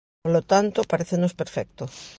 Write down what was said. Polo tanto, parécenos perfecto.